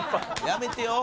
やめてよ。